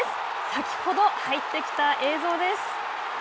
先ほど入ってきた映像です。